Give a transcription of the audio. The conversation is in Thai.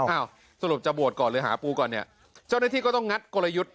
สรุปจะบวชก่อนหรือหาปูก่อนเนี่ยเจ้าหน้าที่ก็ต้องงัดกลยุทธ์